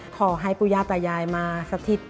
ขอให้ปุญญาตายายมาสถิตย์